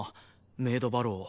メイド・バロウ。